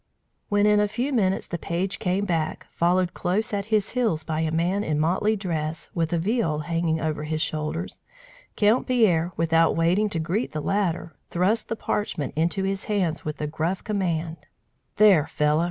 When in a few minutes the page came back, followed, close at his heels, by a man in motley dress, with a viol hung over his shoulders, Count Pierre, without waiting to greet the latter, thrust the parchment into his hands with the gruff command: "There, fellow!